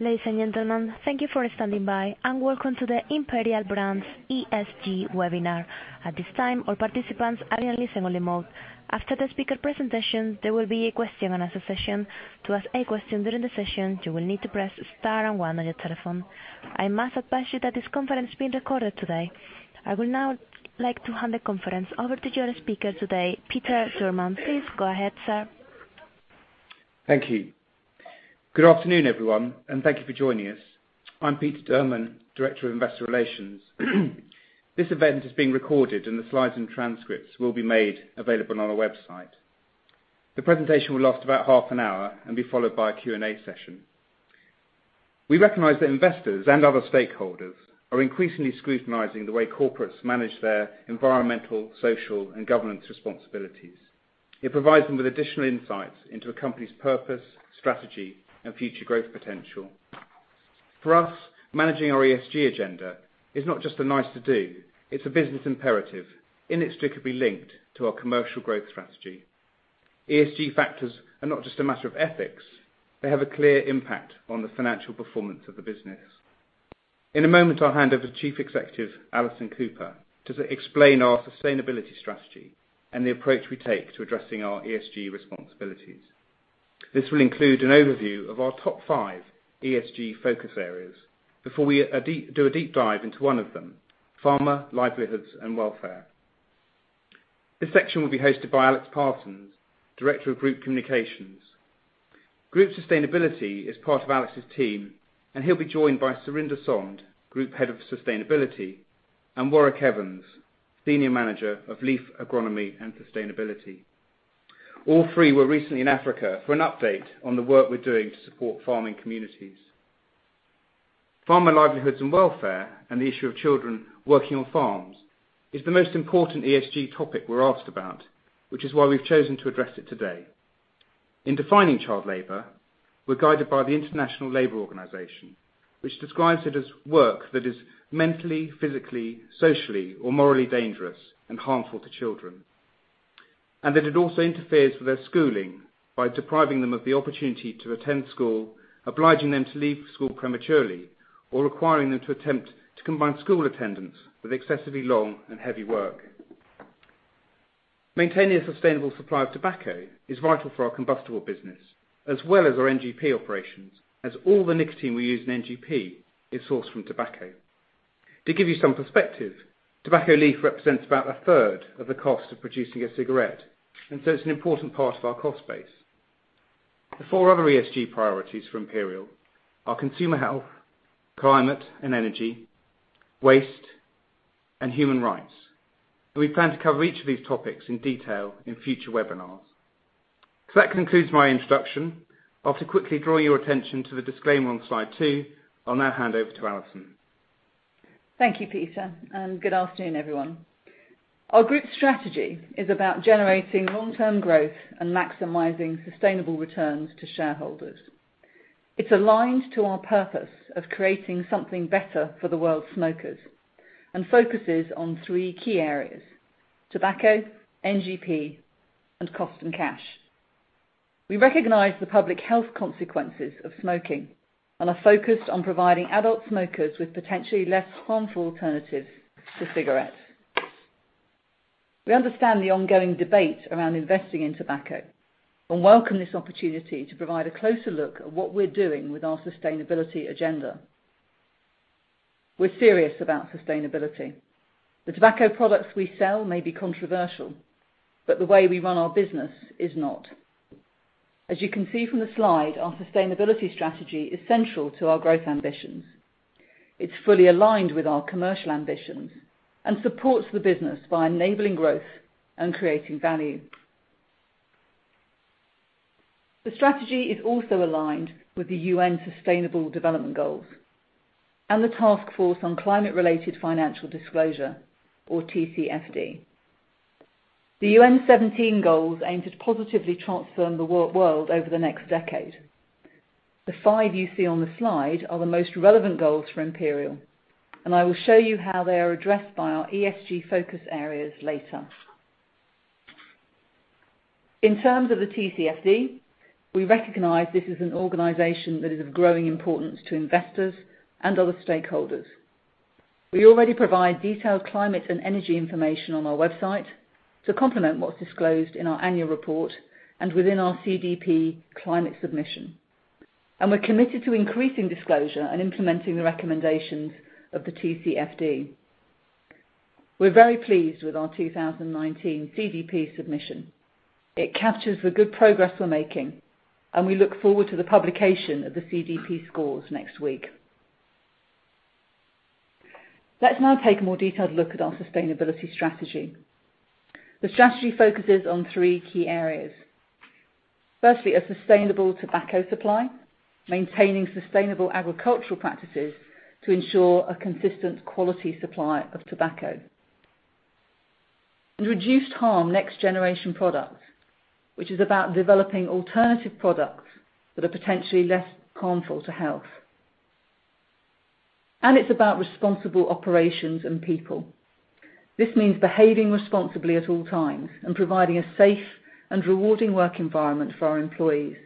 Ladies and gentlemen, thank you for standing by, and welcome to the Imperial Brands ESG webinar. At this time, all participants are in listen only mode. After the speaker presentation, there will be a question and answer session. To ask a question during the session, you will need to press star and one on your telephone. I must advise you that this conference is being recorded today. I will now like to hand the conference over to your speaker today, Peter Durman. Please go ahead, sir. Thank you. Good afternoon, everyone, and thank you for joining us. I'm Peter Durman, Director of Investor Relations. This event is being recorded and the slides and transcripts will be made available on our website. The presentation will last about half an hour and be followed by a Q&A session. We recognize that investors and other stakeholders are increasingly scrutinizing the way corporates manage their environmental, social, and governance responsibilities. It provides them with additional insights into a company's purpose, strategy, and future growth potential. For us, managing our ESG agenda is not just a nice to do, it's a business imperative inextricably linked to our commercial growth strategy. ESG factors are not just a matter of ethics, they have a clear impact on the financial performance of the business. In a moment, I'll hand over to Chief Executive, Alison Cooper, to explain our sustainability strategy and the approach we take to addressing our ESG responsibilities. This will include an overview of our top five ESG focus areas before we do a deep dive into one of them, Farmer Livelihoods and Welfare. This section will be hosted by Alex Parsons, Director of Group Communications. Group Sustainability is part of Alex's team, and he'll be joined by Surinder Sond, Group Head of Sustainability, and Warwick Evans, Senior Manager of Leaf Agronomy and Sustainability. All three were recently in Africa for an update on the work we're doing to support farming communities. Farmer Livelihoods and Welfare and the issue of children working on farms is the most important ESG topic we're asked about, which is why we've chosen to address it today. In defining child labor, we're guided by the International Labour Organization, which describes it as work that is mentally, physically, socially, or morally dangerous and harmful to children. That it also interferes with their schooling by depriving them of the opportunity to attend school, obliging them to leave school prematurely, or requiring them to attempt to combine school attendance with excessively long and heavy work. Maintaining a sustainable supply of tobacco is vital for our combustible business as well as our NGP operations, as all the nicotine we use in NGP is sourced from tobacco. To give you some perspective, tobacco leaf represents about a third of the cost of producing a cigarette, so it's an important part of our cost base. The four other ESG priorities for Imperial are consumer health, climate and energy, waste, and human rights. We plan to cover each of these topics in detail in future webinars. That concludes my introduction. I'll quickly draw your attention to the disclaimer on slide two. I'll now hand over to Alison. Thank you, Peter, and good afternoon, everyone. Our group strategy is about generating long-term growth and maximizing sustainable returns to shareholders. It's aligned to our purpose of creating something better for the world's smokers and focuses on three key areas, tobacco, NGP, and cost and cash. We recognize the public health consequences of smoking and are focused on providing adult smokers with potentially less harmful alternatives to cigarettes. We understand the ongoing debate around investing in tobacco and welcome this opportunity to provide a closer look at what we're doing with our sustainability agenda. We're serious about sustainability. The tobacco products we sell may be controversial, but the way we run our business is not. As you can see from the slide, our sustainability strategy is central to our growth ambitions. It's fully aligned with our commercial ambitions and supports the business by enabling growth and creating value. The strategy is also aligned with the UN Sustainable Development Goals and the Task Force on Climate Related Financial Disclosure, or TCFD. The UN 17 goals aim to positively transform the world over the next decade. The five you see on the slide are the most relevant goals for Imperial, and I will show you how they are addressed by our ESG focus areas later. In terms of the TCFD, we recognize this is an organization that is of growing importance to investors and other stakeholders. We already provide detailed climate and energy information on our website to complement what's disclosed in our annual report and within our CDP climate submission. We're committed to increasing disclosure and implementing the recommendations of the TCFD. We're very pleased with our 2019 CDP submission. It captures the good progress we're making, and we look forward to the publication of the CDP scores next week. Let's now take a more detailed look at our sustainability strategy. The strategy focuses on three key areas. Firstly, a sustainable tobacco supply, maintaining sustainable agricultural practices to ensure a consistent quality supply of tobacco. Reduced harm next-generation products, which is about developing alternative products that are potentially less harmful to health. It's about responsible operations and people. This means behaving responsibly at all times and providing a safe and rewarding work environment for our employees.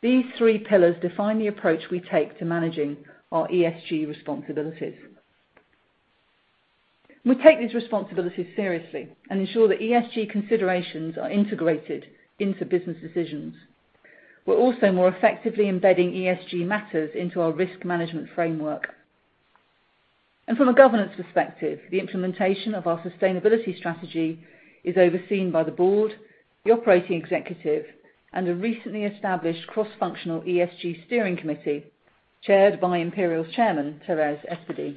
These three pillars define the approach we take to managing our ESG responsibilities. We take these responsibilities seriously and ensure that ESG considerations are integrated into business decisions. We're also more effectively embedding ESG matters into our risk management framework. From a governance perspective, the implementation of our sustainability strategy is overseen by the board, the operating executive, and a recently established cross-functional ESG steering committee chaired by Imperial's Chairman, Thérèse Esperdy.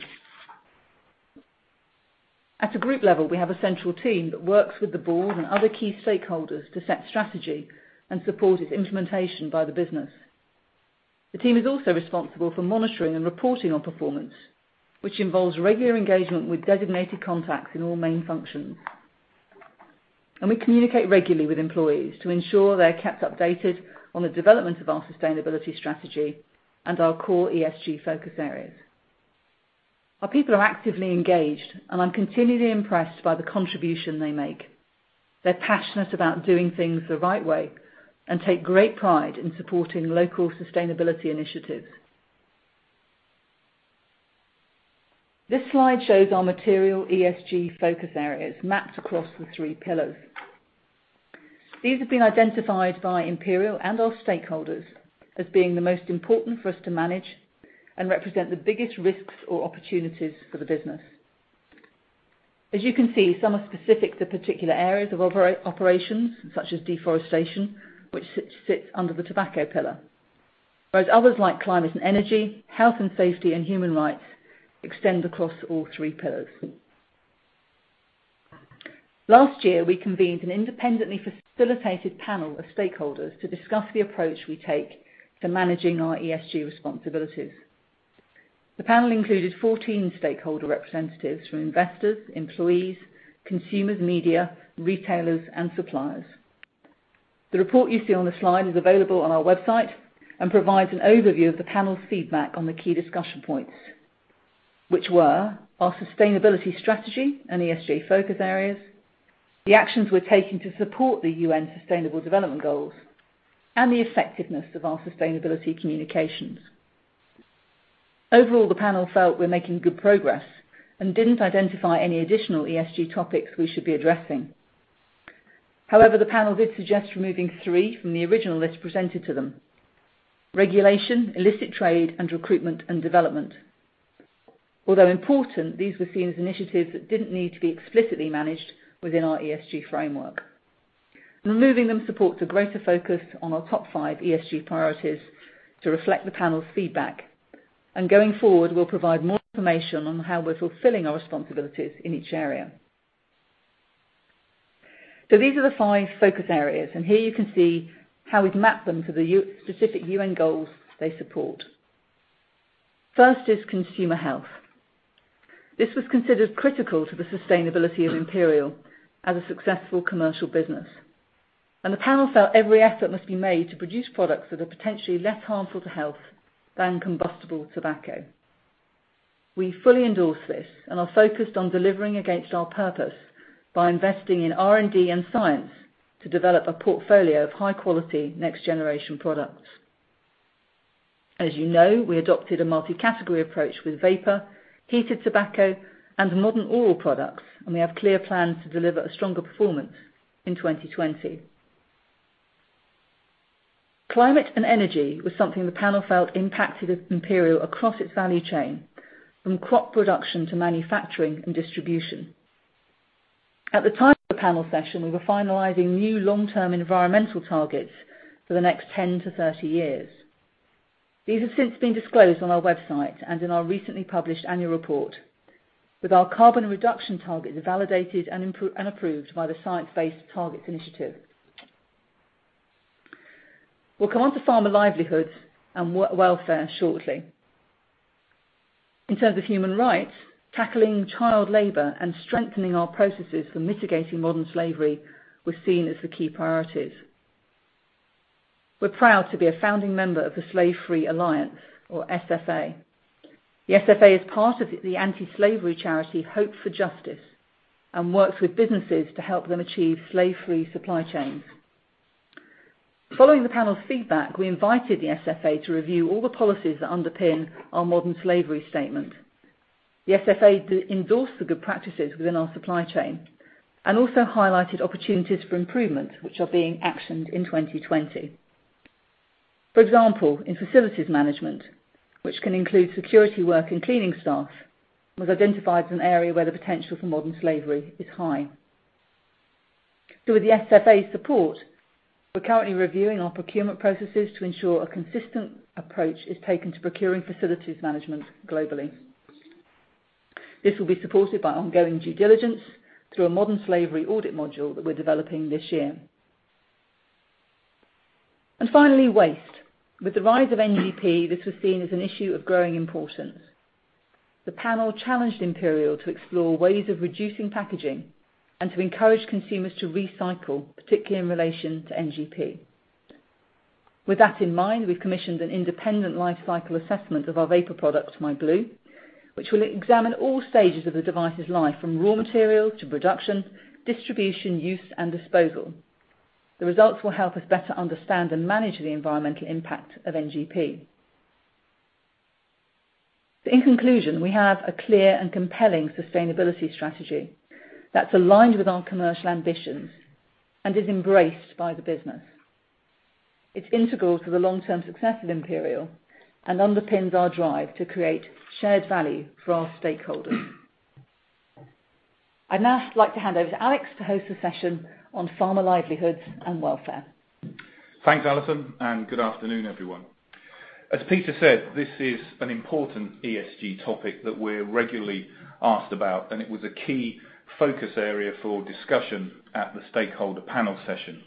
At a group level, we have a central team that works with the board and other key stakeholders to set strategy and support its implementation by the business. The team is also responsible for monitoring and reporting on performance, which involves regular engagement with designated contacts in all main functions. We communicate regularly with employees to ensure they're kept updated on the development of our sustainability strategy and our core ESG focus areas. Our people are actively engaged, and I'm continually impressed by the contribution they make. They're passionate about doing things the right way and take great pride in supporting local sustainability initiatives. This slide shows our material ESG focus areas mapped across the three pillars. These have been identified by Imperial and our stakeholders as being the most important for us to manage and represent the biggest risks or opportunities for the business. As you can see, some are specific to particular areas of operations, such as deforestation, which sits under the tobacco pillar, whereas others like climate and energy, health and safety and human rights extend across all three pillars. Last year, we convened an independently facilitated panel of stakeholders to discuss the approach we take to managing our ESG responsibilities. The panel included 14 stakeholder representatives from investors, employees, consumers, media, retailers, and suppliers. The report you see on the slide is available on our website and provides an overview of the panel's feedback on the key discussion points, which were our sustainability strategy and ESG focus areas, the actions we're taking to support the UN Sustainable Development Goals, and the effectiveness of our sustainability communications. Overall, the panel felt we're making good progress and didn't identify any additional ESG topics we should be addressing. However, the panel did suggest removing three from the original list presented to them: regulation, illicit trade, and recruitment and development. Although important, these were seen as initiatives that didn't need to be explicitly managed within our ESG framework. Removing them supports a greater focus on our top five ESG priorities to reflect the panel's feedback. Going forward, we'll provide more information on how we're fulfilling our responsibilities in each area. These are the five focus areas, and here you can see how we've mapped them to the specific UN goals they support. First is consumer health. This was considered critical to the sustainability of Imperial as a successful commercial business, and the panel felt every effort must be made to produce products that are potentially less harmful to health than combustible tobacco. We fully endorse this and are focused on delivering against our purpose by investing in R&D and science to develop a portfolio of high-quality next-generation products. As you know, we adopted a multi-category approach with vapor, heated tobacco, and modern oral products, and we have clear plans to deliver a stronger performance in 2020. Climate and energy was something the panel felt impacted Imperial across its value chain, from crop production to manufacturing and distribution. At the time of the panel session, we were finalizing new long-term environmental targets for the next 10 to 30 years. These have since been disclosed on our website and in our recently published annual report. With our carbon reduction targets validated and approved by the Science Based Targets initiative. We'll come on to farmer livelihoods and welfare shortly. In terms of human rights, tackling child labor and strengthening our processes for mitigating modern slavery were seen as the key priorities. We're proud to be a founding member of the Slave-Free Alliance, or SFA. The SFA is part of the anti-slavery charity Hope for Justice, and works with businesses to help them achieve slave-free supply chains. Following the panel's feedback, we invited the SFA to review all the policies that underpin our modern slavery statement. The SFA endorsed the good practices within our supply chain and also highlighted opportunities for improvement, which are being actioned in 2020. In facilities management, which can include security work and cleaning staff, was identified as an area where the potential for modern slavery is high. With the SFA's support, we're currently reviewing our procurement processes to ensure a consistent approach is taken to procuring facilities management globally. This will be supported by ongoing due diligence through a modern slavery audit module that we're developing this year. Finally, waste. With the rise of NGP, this was seen as an issue of growing importance. The panel challenged Imperial to explore ways of reducing packaging and to encourage consumers to recycle, particularly in relation to NGP. With that in mind, we've commissioned an independent lifecycle assessment of our vapor product, myblu, which will examine all stages of the device's life from raw material to production, distribution, use, and disposal. The results will help us better understand and manage the environmental impact of NGP. In conclusion, we have a clear and compelling sustainability strategy that's aligned with our commercial ambitions and is embraced by the business. It's integral to the long-term success of Imperial and underpins our drive to create shared value for our stakeholders. I'd now like to hand over to Alex to host the session on farmer livelihoods and welfare. Thanks, Alison, and good afternoon, everyone. As Peter said, this is an important ESG topic that we're regularly asked about, and it was a key focus area for discussion at the stakeholder panel session.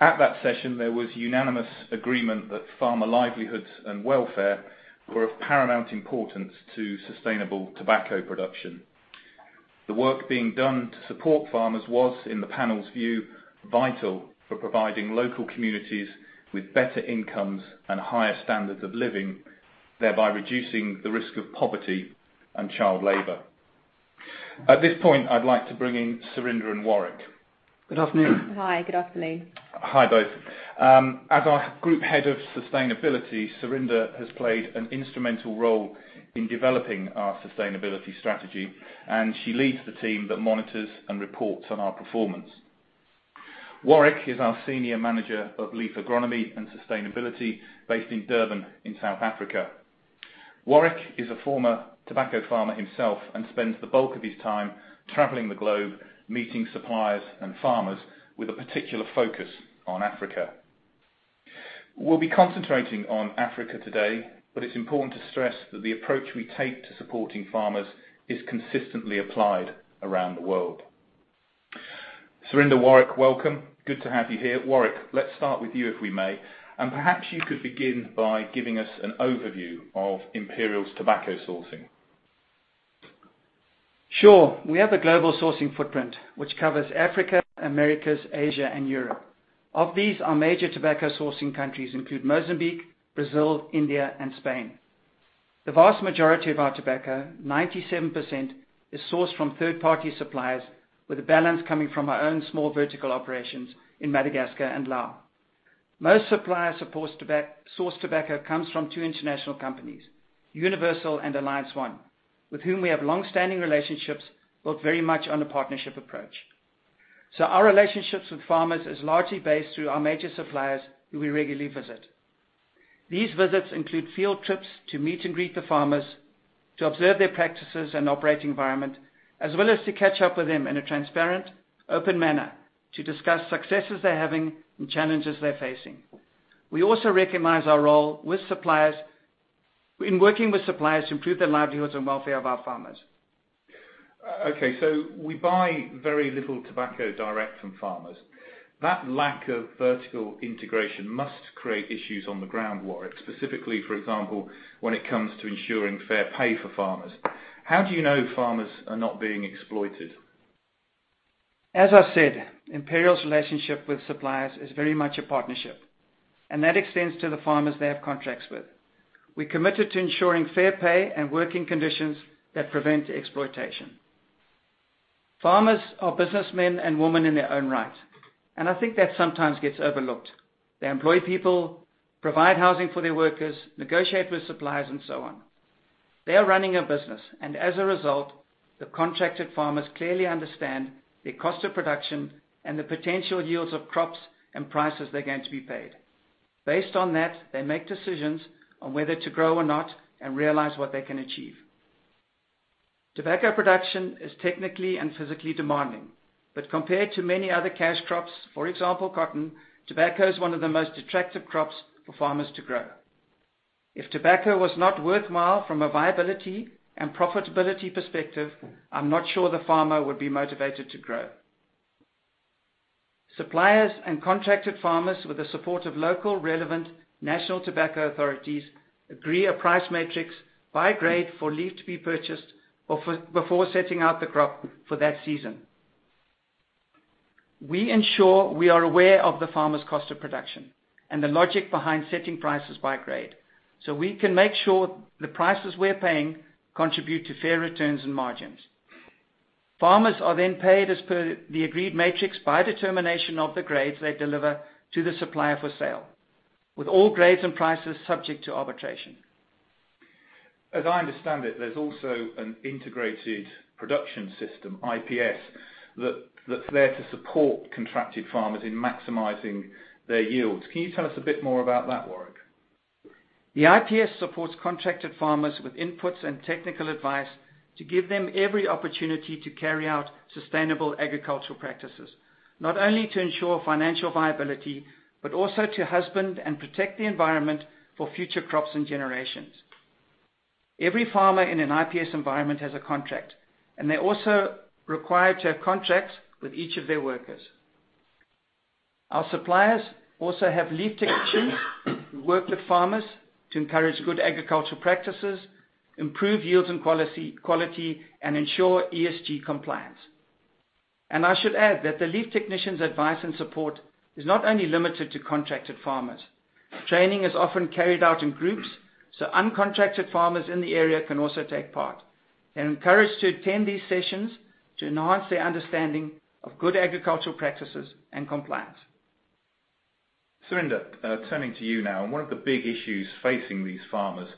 At that session, there was unanimous agreement that farmer livelihoods and welfare were of paramount importance to sustainable tobacco production. The work being done to support farmers was, in the panel's view, vital for providing local communities with better incomes and higher standards of living, thereby reducing the risk of poverty and child labor. At this point, I'd like to bring in Surinder and Warwick. Good afternoon. Hi, good afternoon. Hi, both. As our group head of sustainability, Surinder has played an instrumental role in developing our sustainability strategy, and she leads the team that monitors and reports on our performance. Warwick is our senior manager of leaf agronomy and sustainability based in Durban in South Africa. Warwick is a former tobacco farmer himself and spends the bulk of his time traveling the globe, meeting suppliers and farmers with a particular focus on Africa. We'll be concentrating on Africa today, but it's important to stress that the approach we take to supporting farmers is consistently applied around the world. Surinder, Warwick, welcome. Good to have you here. Warwick, let's start with you, if we may. Perhaps you could begin by giving us an overview of Imperial's tobacco sourcing. Sure. We have a global sourcing footprint, which covers Africa, Americas, Asia, and Europe. Of these, our major tobacco sourcing countries include Mozambique, Brazil, India, and Spain. The vast majority of our tobacco, 97%, is sourced from third-party suppliers, with the balance coming from our own small vertical operations in Madagascar and Laos. Most supplier sourced tobacco comes from two international companies, Universal and Alliance One, with whom we have longstanding relationships built very much on a partnership approach. Our relationships with farmers is largely based through our major suppliers who we regularly visit. These visits include field trips to meet and greet the farmers, to observe their practices and operating environment, as well as to catch up with them in a transparent, open manner to discuss successes they're having and challenges they're facing. We also recognize our role in working with suppliers to improve the livelihoods and welfare of our farmers. Okay, we buy very little tobacco direct from farmers. That lack of vertical integration must create issues on the ground, Warwick, specifically, for example, when it comes to ensuring fair pay for farmers. How do you know farmers are not being exploited? As I said, Imperial's relationship with suppliers is very much a partnership, and that extends to the farmers they have contracts with. We're committed to ensuring fair pay and working conditions that prevent exploitation. Farmers are businessmen and women in their own right, and I think that sometimes gets overlooked. They employ people, provide housing for their workers, negotiate with suppliers, and so on. They are running a business. As a result, the contracted farmers clearly understand their cost of production and the potential yields of crops and prices they're going to be paid. Based on that, they make decisions on whether to grow or not, and realize what they can achieve. Tobacco production is technically and physically demanding. Compared to many other cash crops, for example, cotton, tobacco is one of the most attractive crops for farmers to grow. If tobacco was not worthwhile from a viability and profitability perspective, I'm not sure the farmer would be motivated to grow. Suppliers and contracted farmers with the support of local relevant national tobacco authorities agree a price matrix by grade for leaf to be purchased before setting out the crop for that season. We ensure we are aware of the farmer's cost of production and the logic behind setting prices by grade, so we can make sure the prices we're paying contribute to fair returns and margins. Farmers are then paid as per the agreed matrix by determination of the grades they deliver to the supplier for sale, with all grades and prices subject to arbitration. As I understand it, there's also an integrated production system, IPS, that's there to support contracted farmers in maximizing their yields. Can you tell us a bit more about that, Warwick? The IPS supports contracted farmers with inputs and technical advice to give them every opportunity to carry out sustainable agricultural practices, not only to ensure financial viability, but also to husband and protect the environment for future crops and generations. Every farmer in an IPS environment has a contract, and they're also required to have contracts with each of their workers. Our suppliers also have leaf technicians who work with farmers to encourage good agricultural practices, improve yields and quality, and ensure ESG compliance. I should add that the leaf technician's advice and support is not only limited to contracted farmers. Training is often carried out in groups, so uncontracted farmers in the area can also take part. They're encouraged to attend these sessions to enhance their understanding of good agricultural practices and compliance. Surinder, turning to you now. One of the big issues facing these farmers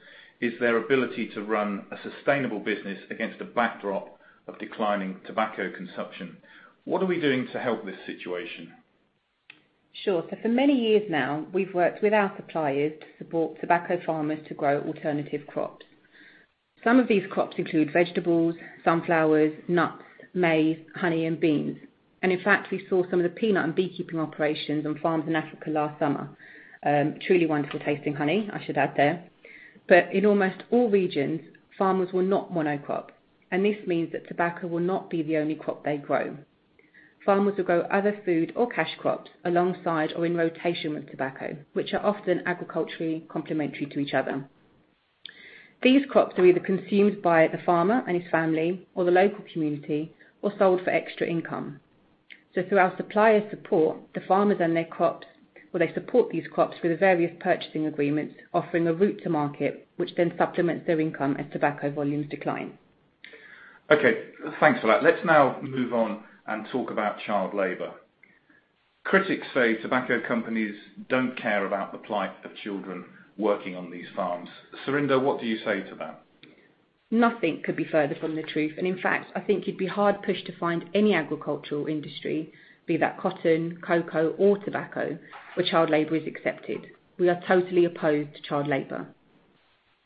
is their ability to run a sustainable business against a backdrop of declining tobacco consumption. What are we doing to help this situation? Sure. For many years now, we've worked with our suppliers to support tobacco farmers to grow alternative crops. Some of these crops include vegetables, sunflowers, nuts, maize, honey, and beans. In fact, we saw some of the peanut and beekeeping operations on farms in Africa last summer. Truly wonderful tasting honey, I should add there. In almost all regions, farmers will not monocrop, and this means that tobacco will not be the only crop they grow. Farmers will grow other food or cash crops alongside or in rotation with tobacco, which are often agriculturally complementary to each other. These crops are either consumed by the farmer and his family or the local community, or sold for extra income. Through our supplier support, the farmers and their crops, where they support these crops through the various purchasing agreements, offering a route to market, which then supplements their income as tobacco volumes decline. Okay, thanks for that. Let's now move on and talk about child labor. Critics say tobacco companies don't care about the plight of children working on these farms. Surinder, what do you say to that? Nothing could be further from the truth. In fact, I think you'd be hard pushed to find any agricultural industry, be that cotton, cocoa, or tobacco, where child labor is accepted. We are totally opposed to child labor.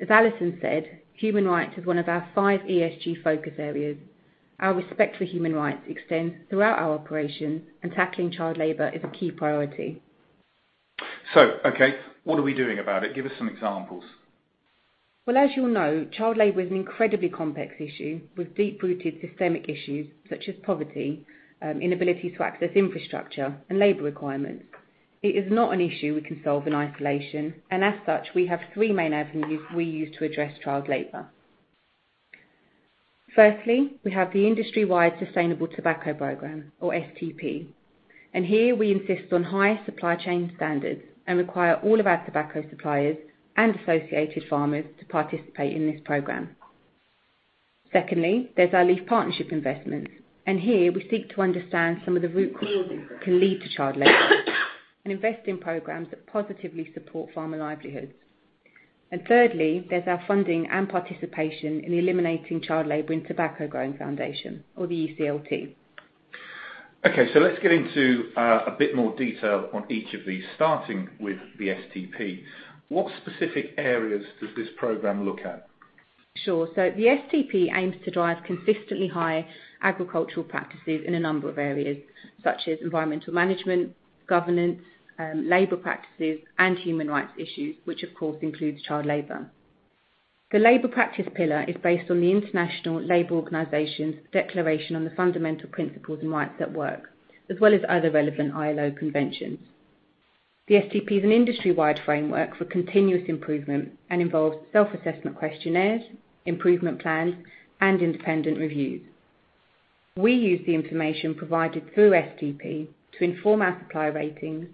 As Alison said, human rights is one of our five ESG focus areas. Our respect for human rights extends throughout our operation, and tackling child labor is a key priority. Okay, what are we doing about it? Give us some examples. Well, as you'll know, child labor is an incredibly complex issue with deep-rooted systemic issues such as poverty, inability to access infrastructure, and labor requirements. As such, we have three main avenues we use to address child labor. Firstly, we have the industry-wide Sustainable Tobacco Program or STP. Here we insist on higher supply chain standards and require all of our tobacco suppliers and associated farmers to participate in this program. Secondly, there's our Leaf Partnership investments. Here we seek to understand some of the root causes that can lead to child labor and invest in programs that positively support farmer livelihoods. Thirdly, there's our funding and participation in Eliminating Child Labor in Tobacco Growing Foundation or the ECLT. Okay. Let's get into a bit more detail on each of these, starting with the STP. What specific areas does this program look at? Sure. The STP aims to drive consistently high agricultural practices in a number of areas, such as environmental management, governance, labor practices, and human rights issues, which of course includes child labor. The labor practice pillar is based on the International Labour Organization's declaration on the fundamental principles and rights at work, as well as other relevant ILO conventions. The STP is an industry-wide framework for continuous improvement and involves self-assessment questionnaires, improvement plans, and independent reviews. We use the information provided through STP to inform our supplier ratings,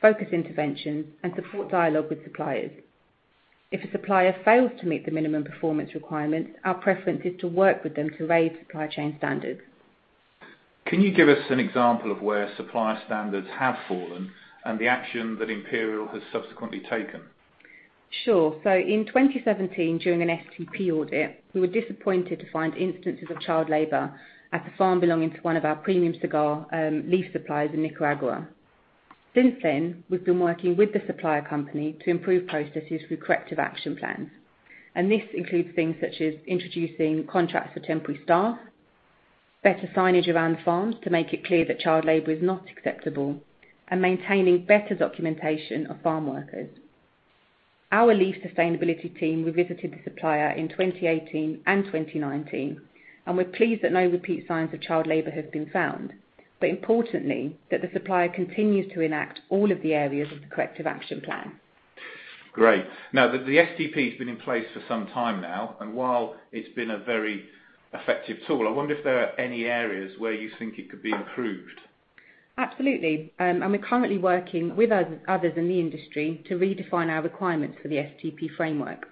focus interventions, and support dialogue with suppliers. If a supplier fails to meet the minimum performance requirements, our preference is to work with them to raise supply chain standards. Can you give us an example of where supplier standards have fallen and the action that Imperial has subsequently taken? Sure. In 2017, during an STP audit, we were disappointed to find instances of child labor at the farm belonging to one of our premium cigar leaf suppliers in Nicaragua. Since then, we've been working with the supplier company to improve processes through corrective action plans. This includes things such as introducing contracts for temporary staff, better signage around the farm to make it clear that child labor is not acceptable, and maintaining better documentation of farm workers. Our Leaf Sustainability team revisited the supplier in 2018 and 2019, we're pleased that no repeat signs of child labor have been found, but importantly, that the supplier continues to enact all of the areas of the corrective action plan. Great. The STP has been in place for some time now, and while it's been a very effective tool, I wonder if there are any areas where you think it could be improved. Absolutely. We're currently working with others in the industry to redefine our requirements for the STP framework.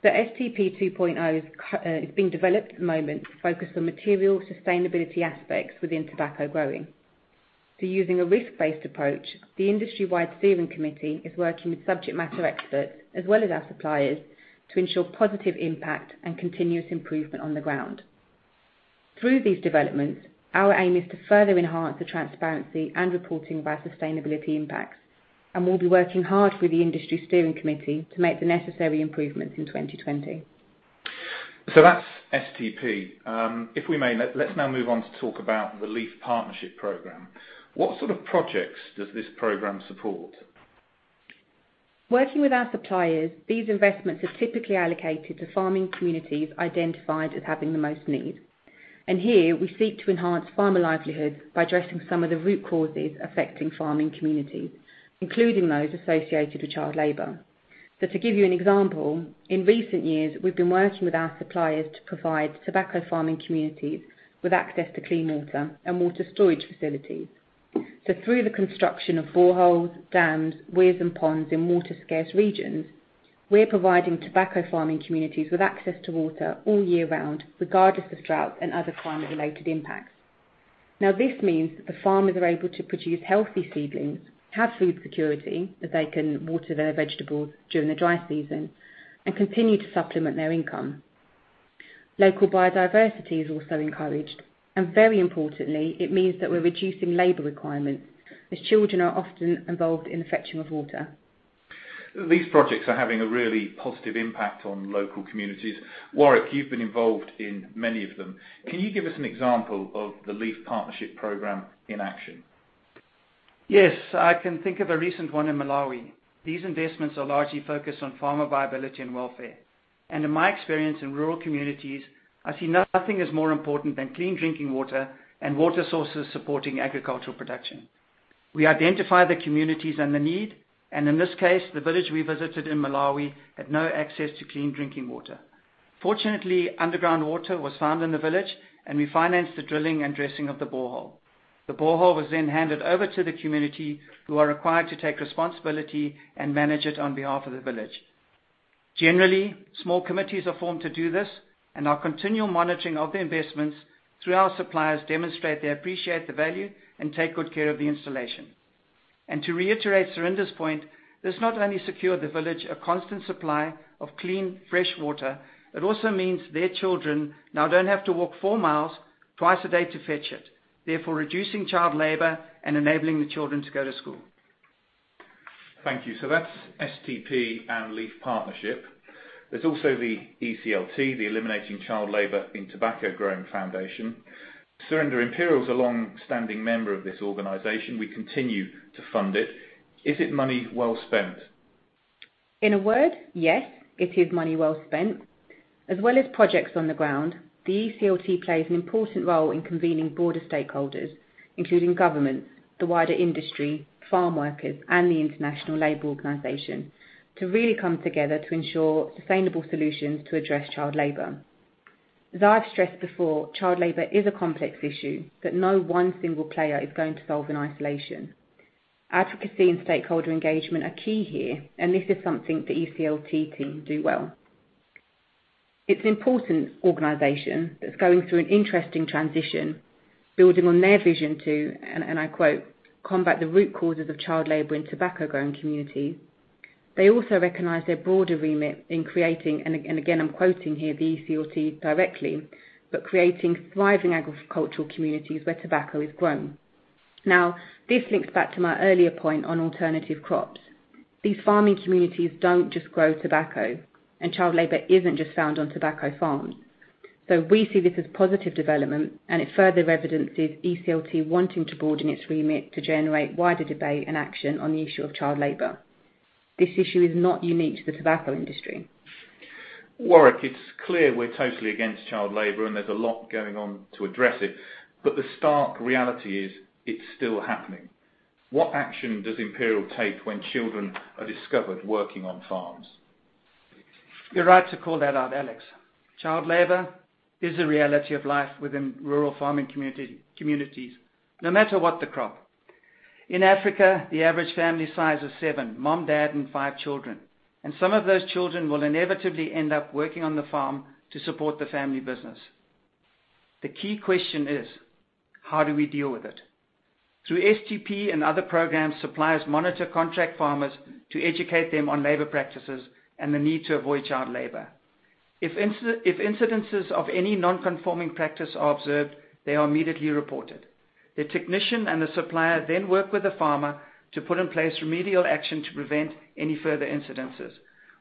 The STP 2.0 is being developed at the moment, focused on material sustainability aspects within tobacco growing. Through using a risk-based approach, the industry-wide steering committee is working with subject matter experts, as well as our suppliers, to ensure positive impact and continuous improvement on the ground. Through these developments, our aim is to further enhance the transparency and reporting of our sustainability impacts, and we'll be working hard with the industry steering committee to make the necessary improvements in 2020. That's STP. If we may, let's now move on to talk about the Leaf Partnership program. What sort of projects does this program support? Working with our suppliers, these investments are typically allocated to farming communities identified as having the most need. Here we seek to enhance farmer livelihoods by addressing some of the root causes affecting farming communities, including those associated with child labor. To give you an example, in recent years, we've been working with our suppliers to provide tobacco farming communities with access to clean water and water storage facilities. Through the construction of boreholes, dams, weirs, and ponds in water-scarce regions, we're providing tobacco farming communities with access to water all year round, regardless of drought and other climate-related impacts. This means that the farmers are able to produce healthy seedlings, have food security, that they can water their vegetables during the dry season, and continue to supplement their income. Local biodiversity is also encouraged, and very importantly, it means that we're reducing labor requirements, as children are often involved in the fetching of water. These projects are having a really positive impact on local communities. Warwick, you've been involved in many of them. Can you give us an example of the Leaf Partnership program in action? Yes. I can think of a recent one in Malawi. These investments are largely focused on farmer viability and welfare. In my experience in rural communities, I see nothing as more important than clean drinking water and water sources supporting agricultural production. We identify the communities and the need, and in this case, the village we visited in Malawi had no access to clean drinking water. Fortunately, underground water was found in the village, and we financed the drilling and dressing of the borehole. The borehole was handed over to the community, who are required to take responsibility and manage it on behalf of the village. Generally, small committees are formed to do this, and our continual monitoring of the investments through our suppliers demonstrate they appreciate the value and take good care of the installation. To reiterate Surinder's point, this not only secured the village a constant supply of clean, fresh water, it also means their children now don't have to walk four miles twice a day to fetch it, therefore reducing child labor and enabling the children to go to school. Thank you. That's STP and Leaf Partnership. There's also the ECLT, the Eliminating Child Labor in Tobacco-Growing Foundation. Surinder, Imperial is a longstanding member of this organization. We continue to fund it. Is it money well spent? In a word, yes, it is money well spent. As well as projects on the ground, the ECLT plays an important role in convening broader stakeholders, including governments, the wider industry, farm workers, and the International Labour Organization, to really come together to ensure sustainable solutions to address child labor. As I have stressed before, child labor is a complex issue that no one single player is going to solve in isolation. Advocacy and stakeholder engagement are key here, and this is something the ECLT team do well. It's an important organization that's going through an interesting transition, building on their vision to, and I quote, "Combat the root causes of child labor in tobacco-growing communities." They also recognize their broader remit in creating, and again, I'm quoting here the ECLT directly, but "Creating thriving agricultural communities where tobacco is grown." This links back to my earlier point on alternative crops. These farming communities don't just grow tobacco, and child labor isn't just found on tobacco farms. We see this as a positive development, and it further evidences ECLT wanting to broaden its remit to generate wider debate and action on the issue of child labor. This issue is not unique to the tobacco industry. Warwick, it's clear we're totally against child labor, and there's a lot going on to address it. The stark reality is it's still happening. What action does Imperial take when children are discovered working on farms? You're right to call that out, Alex. Child labor is a reality of life within rural farming communities, no matter what the crop. In Africa, the average family size is seven, mom, dad, and five children, some of those children will inevitably end up working on the farm to support the family business. The key question is, how do we deal with it? Through STP and other programs, suppliers monitor contract farmers to educate them on labor practices and the need to avoid child labor. If incidences of any non-conforming practice are observed, they are immediately reported. The technician and the supplier then work with the farmer to put in place remedial action to prevent any further incidences,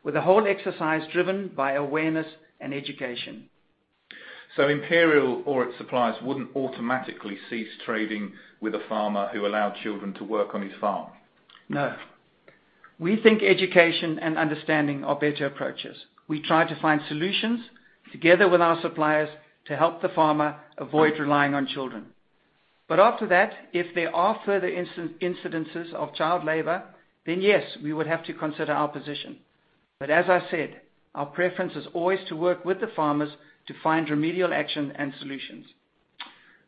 with the whole exercise driven by awareness and education. Imperial or its suppliers wouldn't automatically cease trading with a farmer who allowed children to work on his farm. No. We think education and understanding are better approaches. We try to find solutions together with our suppliers to help the farmer avoid relying on children. After that, if there are further incidences of child labor, then yes, we would have to consider our position. As I said, our preference is always to work with the farmers to find remedial action and solutions.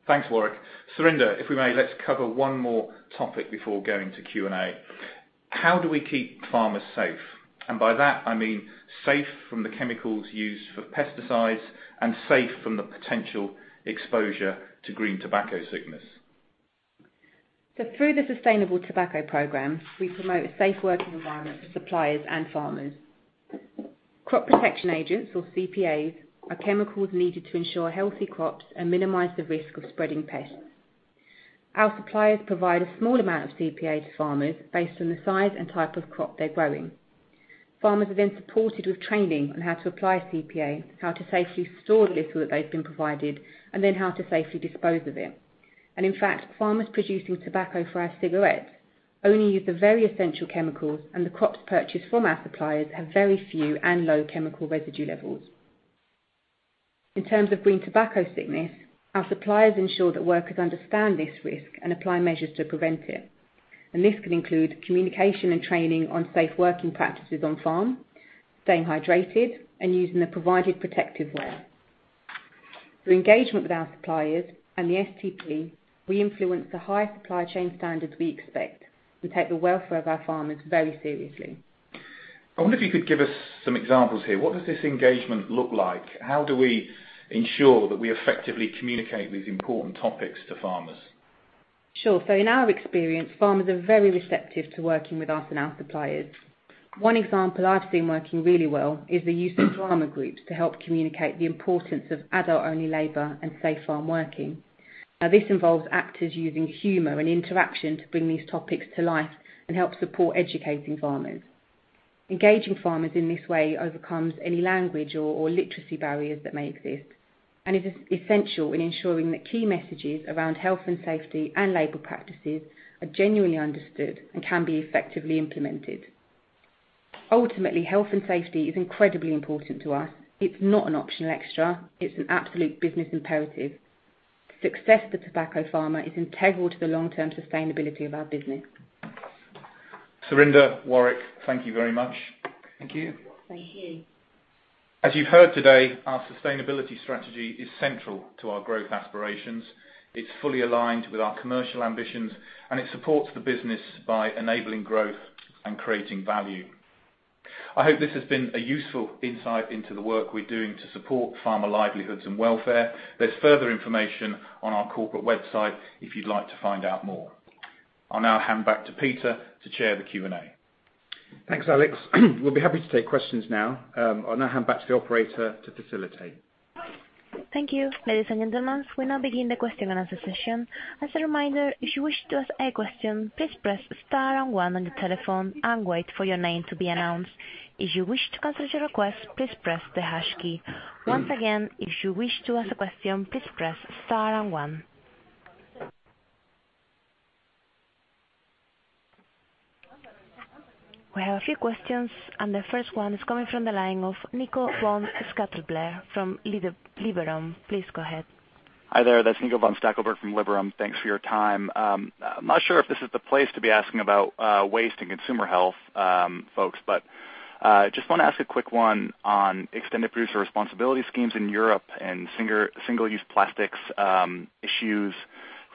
Thanks, Warwick. Surinder, if we may, let's cover one more topic before going to Q&A. How do we keep farmers safe? By that, I mean safe from the chemicals used for pesticides and safe from the potential exposure to Green Tobacco Sickness. Through the Sustainable Tobacco Program, we promote a safe working environment for suppliers and farmers. Crop protection agents, or CPAs, are chemicals needed to ensure healthy crops and minimize the risk of spreading pests. Our suppliers provide a small amount of CPA to farmers based on the size and type of crop they're growing. Farmers are then supported with training on how to apply CPA, how to safely store the litter that they've been provided, and then how to safely dispose of it. In fact, farmers producing tobacco for our cigarettes only use the very essential chemicals, and the crops purchased from our suppliers have very few and low chemical residue levels. In terms of Green Tobacco Sickness, our suppliers ensure that workers understand this risk and apply measures to prevent it. This can include communication and training on safe working practices on farm, staying hydrated, and using the provided protective wear. Through engagement with our suppliers and the STP, we influence the high supply chain standards we expect and take the welfare of our farmers very seriously. I wonder if you could give us some examples here. What does this engagement look like? How do we ensure that we effectively communicate these important topics to farmers? Sure. In our experience, farmers are very receptive to working with us and our suppliers. One example I've seen working really well is the use of drama groups to help communicate the importance of adult-only labor and safe farm working. This involves actors using humor and interaction to bring these topics to life and help support educating farmers. Engaging farmers in this way overcomes any language or literacy barriers that may exist, and it is essential in ensuring that key messages around health and safety and labor practices are genuinely understood and can be effectively implemented. Ultimately, health and safety is incredibly important to us. It's not an optional extra. It's an absolute business imperative. Success for the tobacco farmer is integral to the long-term sustainability of our business. Surinder, Warwick, thank you very much. Thank you. Thank you. As you've heard today, our sustainability strategy is central to our growth aspirations. It's fully aligned with our commercial ambitions, and it supports the business by enabling growth and creating value. I hope this has been a useful insight into the work we're doing to support farmer livelihoods and welfare. There's further information on our corporate website if you'd like to find out more. I'll now hand back to Peter to chair the Q&A. Thanks, Alex. We'll be happy to take questions now. I now hand back to the operator to facilitate. Thank you. Ladies and gentlemen, we now begin the question and answer session. As a reminder, if you wish to ask a question, please press star and one on your telephone and wait for your name to be announced. If you wish to cancel your request, please press the hash key. Once again, if you wish to ask a question, please press star and one. The first one is coming from the line of Nico von Stackelberg from Liberum. Please go ahead. Hi there. That's Nico von Stackelberg from Liberum. Thanks for your time. I'm not sure if this is the place to be asking about waste and consumer health, folks, but just want to ask a quick one on extended producer responsibility schemes in Europe and single-use plastics issues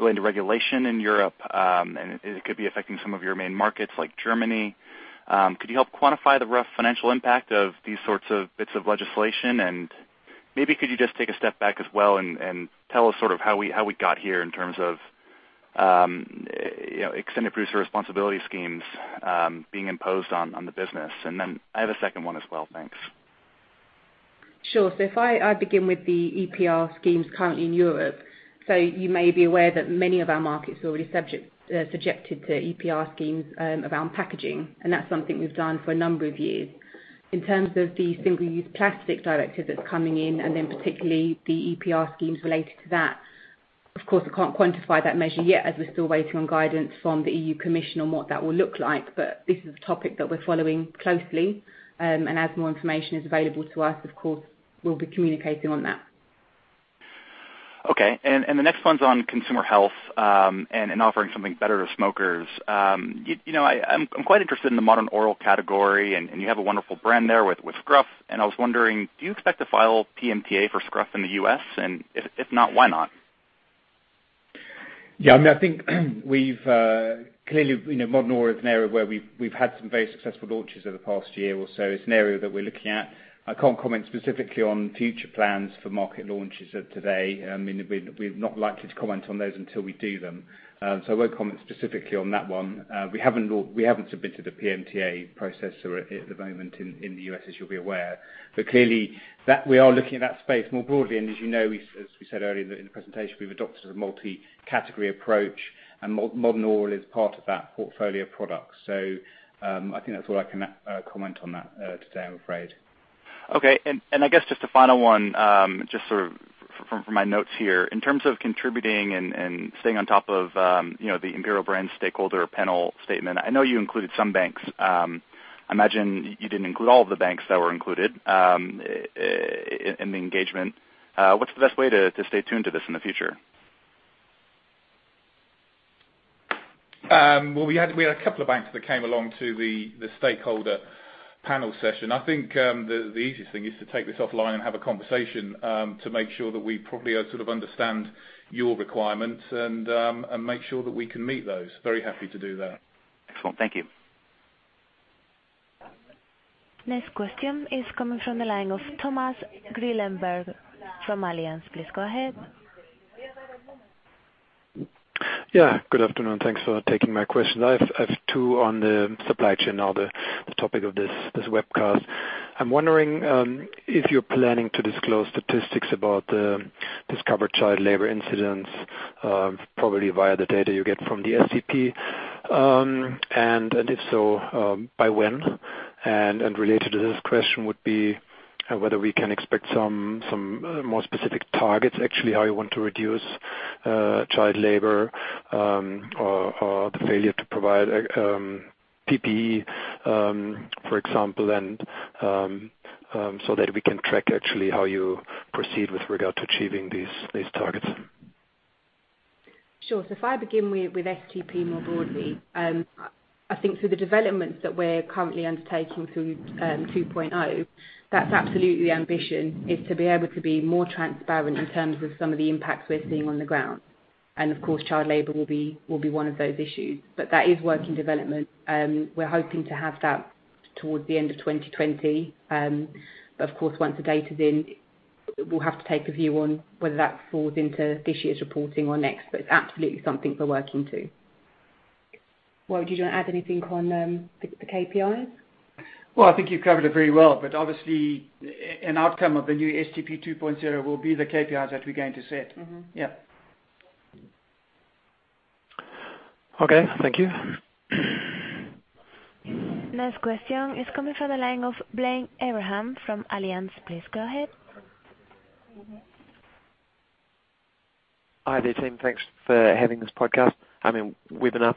relating to regulation in Europe, and it could be affecting some of your main markets like Germany. Could you help quantify the rough financial impact of these sorts of bits of legislation? Maybe could you just take a step back as well and tell us how we got here in terms of extended producer responsibility schemes being imposed on the business? Then I have a second one as well. Thanks. Sure. If I begin with the EPR schemes currently in Europe. You may be aware that many of our markets are already subjected to EPR schemes around packaging, and that's something we've done for a number of years. In terms of the single-use plastics directive that's coming in, and then particularly the EPR schemes related to that, of course, we can't quantify that measure yet as we're still waiting on guidance from the European Commission on what that will look like. This is a topic that we're following closely, and as more information is available to us, of course, we'll be communicating on that. Okay. The next one's on consumer health and offering something better to smokers. I'm quite interested in the modern oral category, and you have a wonderful brand there with Skruf, and I was wondering, do you expect to file PMTA for Skruf in the U.S.? If not, why not? Yeah, I think modern oral is an area where we've had some very successful launches over the past year or so. It's an area that we're looking at. I can't comment specifically on future plans for market launches of today. We're not likely to comment on those until we do them. I won't comment specifically on that one. We haven't submitted a PMTA process at the moment in the U.S., as you'll be aware. Clearly, we are looking at that space more broadly, and as you know, as we said earlier in the presentation, we've adopted a multi-category approach, and modern oral is part of that portfolio product. I think that's all I can comment on that today, I'm afraid. Okay. I guess just a final one, just from my notes here. In terms of contributing and staying on top of the Imperial Brands stakeholder panel statement, I know you included some banks. I imagine you didn't include all of the banks that were included in the engagement. What's the best way to stay tuned to this in the future? Well, we had a couple of banks that came along to the stakeholder panel session. I think the easiest thing is to take this offline and have a conversation to make sure that we properly understand your requirements and make sure that we can meet those. Very happy to do that. Excellent. Thank you. Next question is coming from the line of Thomas Grillenberger from Allianz. Please go ahead. Yeah. Good afternoon. Thanks for taking my questions. I have two on the supply chain, the topic of this webcast. I'm wondering if you're planning to disclose statistics about the discovered child labor incidents, probably via the data you get from the STP. If so, by when? Related to this question would be whether we can expect some more specific targets, actually, how you want to reduce child labor or the failure to provide PPE, for example, so that we can track actually how you proceed with regard to achieving these targets. Sure. If I begin with STP more broadly, I think through the developments that we're currently undertaking through STP 2.0, that's absolutely the ambition, is to be able to be more transparent in terms of some of the impacts we're seeing on the ground. Of course, child labor will be one of those issues. That is work in development. We're hoping to have that towards the end of 2020. Of course, once the data's in, we'll have to take a view on whether that falls into this year's reporting or next, but it's absolutely something we're working to. Warwick, do you want to add anything on the KPIs? Well, I think you've covered it very well, but obviously, an outcome of the new STP 2.0 will be the KPIs that we're going to set. Yeah. Okay. Thank you. Next question is coming from the line of Blaine Abraham from Allianz. Please go ahead. Hi there, team. Thanks for having this podcast, I mean, webinar.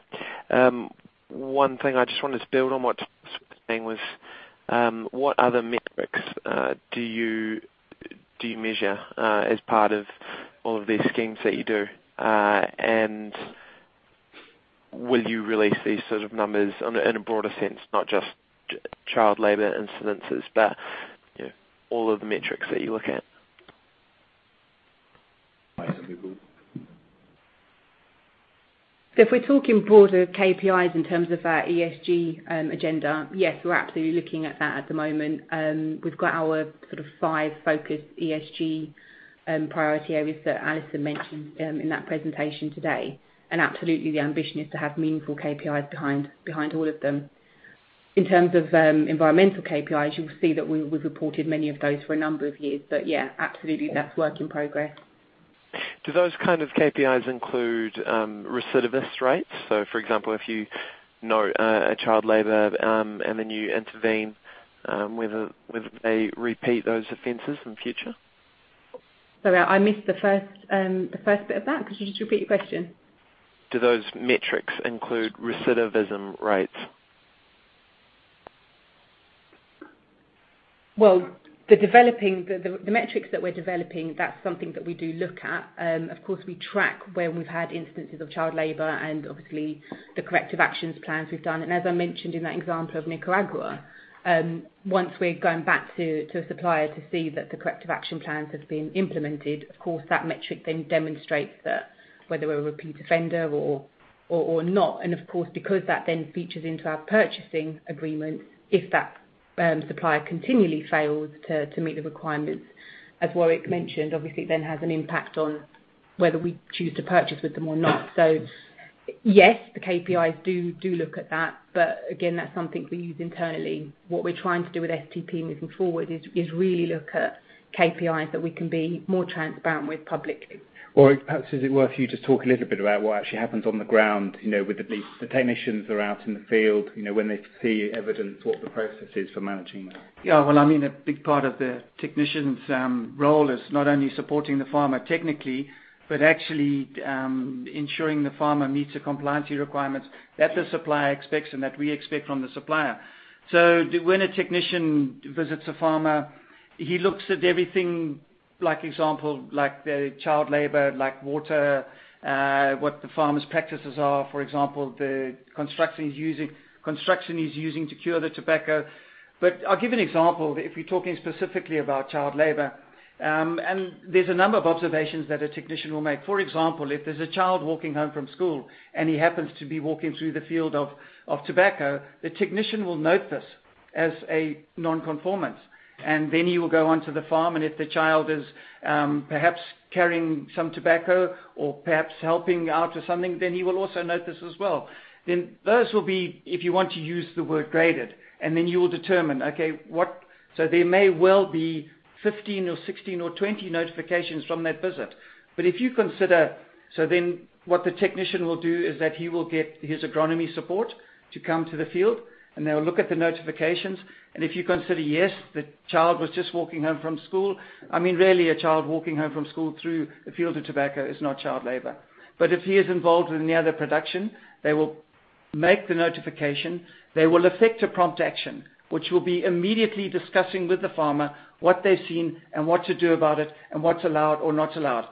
One thing I just wanted to build on what was saying was, what other metrics do you measure as part of all of these schemes that you do? Will you release these sort of numbers in a broader sense, not just child labor incidences, but all of the metrics that you look at? If we're talking broader KPIs in terms of our ESG agenda, yes, we're absolutely looking at that at the moment. We've got our five focus ESG priority areas that Alison mentioned in that presentation today. Absolutely, the ambition is to have meaningful KPIs behind all of them. In terms of environmental KPIs, you'll see that we've reported many of those for a number of years. Yeah, absolutely, that's work in progress. Do those kind of KPIs include recidivist rates? For example, if you know a child labor, and then you intervene, whether they repeat those offenses in future? Sorry, I missed the first bit of that. Could you just repeat your question? Do those metrics include recidivism rates? Well, the metrics that we're developing, that's something that we do look at. Of course, we track where we've had instances of child labor and obviously the corrective actions plans we've done. As I mentioned in that example of Nicaragua, once we've gone back to a supplier to see that the corrective action plans have been implemented, of course, that metric then demonstrates that whether we're a repeat offender or not. Of course, because that then features into our purchasing agreement, if that supplier continually fails to meet the requirements, as Warwick mentioned, obviously it then has an impact on whether we choose to purchase with them or not. Yes, the KPIs do look at that, but again, that's something we use internally. What we're trying to do with STP moving forward is really look at KPIs that we can be more transparent with publicly. Warwick, perhaps is it worth you just talk a little bit about what actually happens on the ground, with the technicians that are out in the field, when they see evidence, what the process is for managing that? Yeah. Well, a big part of the technician's role is not only supporting the farmer technically, but actually ensuring the farmer meets the compliancy requirements that the supplier expects and that we expect from the supplier. When a technician visits a farmer, he looks at everything, like example, like the child labor, like water, what the farmer's practices are. For example, the construction he's using to cure the tobacco. I'll give you an example, if you're talking specifically about child labor. There's a number of observations that a technician will make. For example, if there's a child walking home from school and he happens to be walking through the field of tobacco, the technician will note this as a non-conformance, and then he will go onto the farm, and if the child is perhaps carrying some tobacco or perhaps helping out or something, then he will also note this as well. Those will be, if you want to use the word, graded, and you will determine, okay, what. There may well be 15 or 16 or 20 notifications from that visit. What the technician will do is that he will get his agronomy support to come to the field, and they will look at the notifications, and if you consider, yes, the child was just walking home from school. Really, a child walking home from school through a field of tobacco is not child labor. If he is involved in the other production, they will make the notification. They will effect a prompt action, which will be immediately discussing with the farmer what they've seen and what to do about it, and what's allowed or not allowed.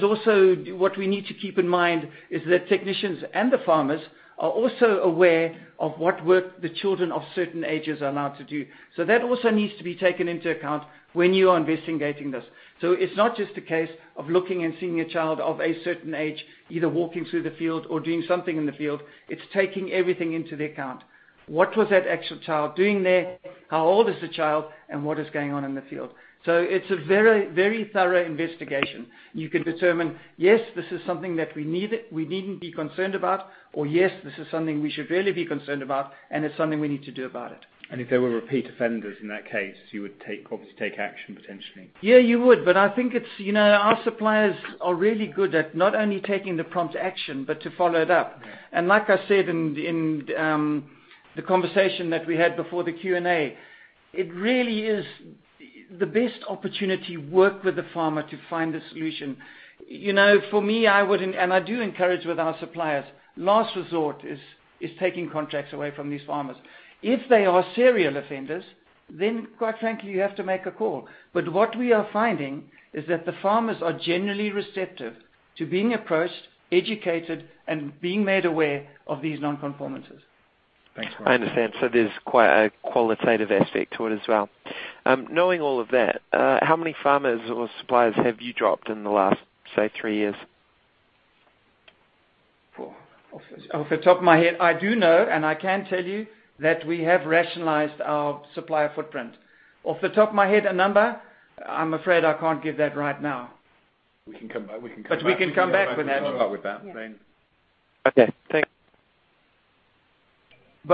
Also what we need to keep in mind is that technicians and the farmers are also aware of what work the children of certain ages are allowed to do. That also needs to be taken into account when you are investigating this. It's not just a case of looking and seeing a child of a certain age either walking through the field or doing something in the field. It's taking everything into the account. What was that actual child doing there? How old is the child, and what is going on in the field? It's a very thorough investigation. You can determine, yes, this is something that we needn't be concerned about, or yes, this is something we should really be concerned about, and it's something we need to do about it. If there were repeat offenders in that case, you would obviously take action, potentially. Yeah, you would. I think our suppliers are really good at not only taking the prompt action, but to follow it up. Yeah. Like I said in the conversation that we had before the Q&A. It really is the best opportunity, work with the farmer to find a solution. For me, and I do encourage with our suppliers, last resort is taking contracts away from these farmers. If they are serial offenders, then quite frankly, you have to make a call. What we are finding is that the farmers are generally receptive to being approached, educated, and being made aware of these non-conformances. Thanks. I understand. There's quite a qualitative aspect to it as well. Knowing all of that, how many farmers or suppliers have you dropped in the last, say, three years? Off the top of my head, I do know, and I can tell you that we have rationalized our supplier footprint. Off the top of my head, a number, I'm afraid I can't give that right now. We can come back. We can come back with that. Come back with that then. Okay. Thanks.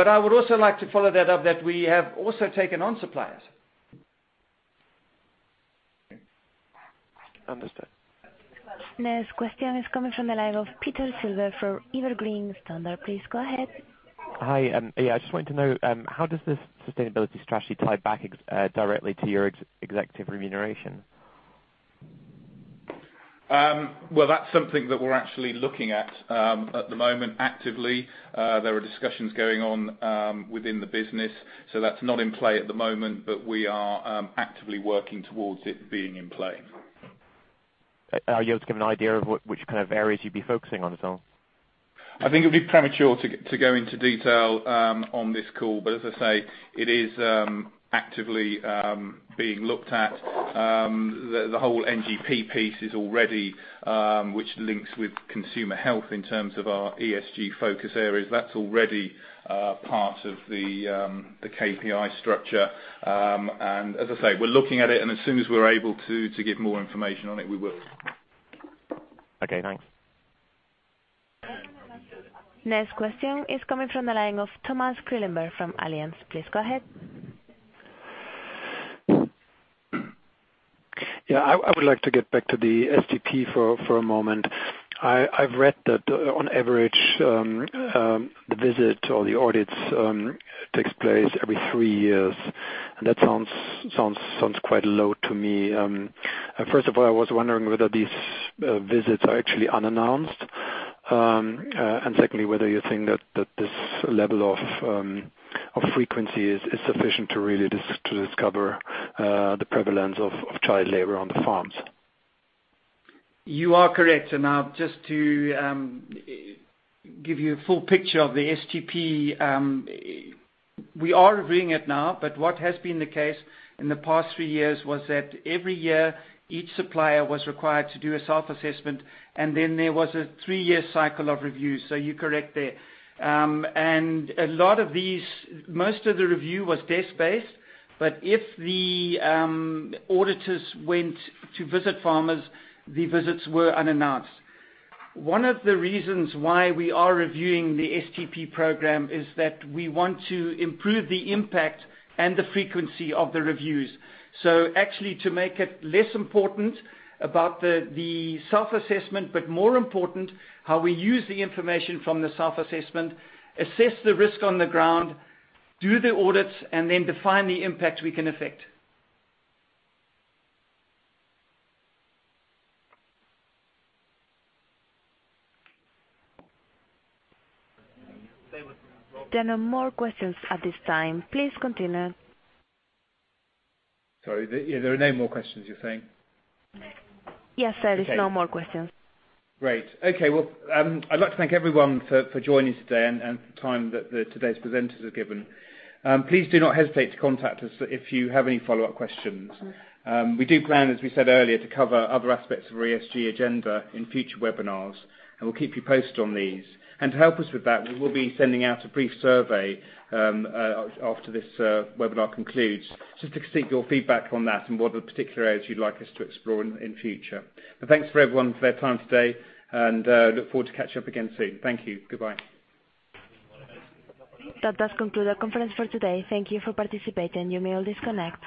I would also like to follow that up that we have also taken on suppliers. Understood. Next question is coming from the line of Peter Silver for Evercore ISI. Please go ahead. Hi. Yeah, I just wanted to know, how does this sustainability strategy tie back directly to your executive remuneration? Well, that's something that we're actually looking at at the moment actively. There are discussions going on within the business. That's not in play at the moment, but we are actively working towards it being in play. Are you able to give an idea of which kind of areas you'd be focusing on as well? I think it'd be premature to go into detail on this call. As I say, it is actively being looked at. The whole NGP piece is already, which links with consumer health in terms of our ESG focus areas. That's already part of the KPI structure. As I say, we're looking at it, and as soon as we're able to give more information on it, we will. Okay, thanks. Next question is coming from the line of Thomas Grillenberger from Allianz. Please go ahead. Yeah, I would like to get back to the STP for a moment. I've read that on average, the visit or the audits takes place every three years, and that sounds quite low to me. First of all, I was wondering whether these visits are actually unannounced. Secondly, whether you think that this level of frequency is sufficient to really discover the prevalence of child labor on the farms. You are correct. Now, just to give you a full picture of the STP. We are reviewing it now, but what has been the case in the past three years was that every year, each supplier was required to do a self-assessment, and then there was a three-year cycle of reviews. You're correct there. A lot of these, most of the review was desk-based, but if the auditors went to visit farmers, the visits were unannounced. One of the reasons why we are reviewing the STP program is that we want to improve the impact and the frequency of the reviews. Actually, to make it less important about the self-assessment, but more important how we use the information from the self-assessment, assess the risk on the ground, do the audits, and then define the impact we can affect. There are no more questions at this time. Please continue. Sorry. There are no more questions, you're saying? Yes, there is no more questions. Great. Okay, well, I'd like to thank everyone for joining today and the time that today's presenters have given. Please do not hesitate to contact us if you have any follow-up questions. We do plan, as we said earlier, to cover other aspects of our ESG agenda in future webinars. We'll keep you posted on these. To help us with that, we will be sending out a brief survey after this webinar concludes, just to seek your feedback on that and what other particular areas you'd like us to explore in future. Thanks for everyone for their time today, and look forward to catching up again soon. Thank you. Goodbye. That does conclude our conference for today. Thank you for participating. You may all disconnect.